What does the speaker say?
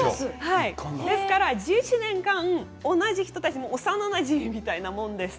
ですから１１年間、同じ人たち幼なじみみたいなものです。